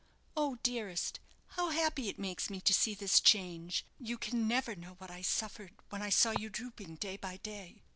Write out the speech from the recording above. Oh, dearest, how happy it makes me to see this change! You can never know what I suffered when I saw you drooping, day by day."